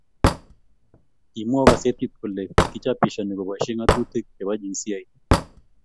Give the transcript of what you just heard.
Kimwou kasetii kole kichapishan koboishe ngatutik che bo jinsiait,